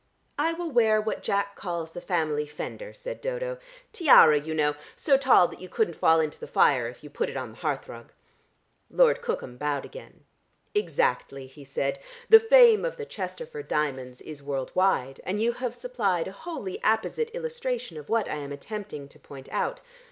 "I will wear what Jack calls the family fender," said Dodo. "Tiara, you know, so tall that you couldn't fall into the fire if you put it on the hearthrug." Lord Cookham bowed again. "Exactly," he said. "The fame of the Chesterford diamonds is world wide, and you have supplied a wholly apposite illustration of what I am attempting to point out.